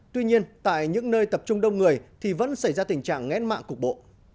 tuy nhiên tại những nơi tập trung đông người thì vẫn xảy ra tình trạng nghén mạng cục bộ